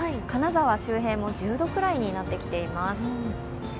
金沢周辺も１０度くらいになっています。